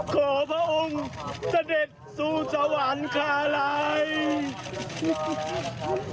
ขอพระองค์เสด็จสู่สวรรคาลัย